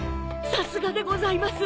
さすがでございます。